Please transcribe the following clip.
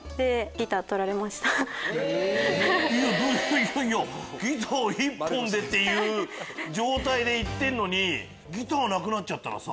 いやいやギター１本でっていう状態で行ってんのにギターなくなっちゃったらさ。